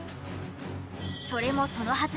それもそのはず。